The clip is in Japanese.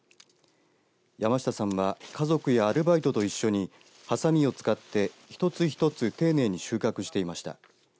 山下さんは家族やアルバイトと一緒にはさみを使って一つ一つ丁寧に収穫していました。